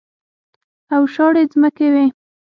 او شاړې ځمکې وې.